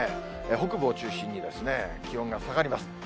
北部を中心に気温が下がります。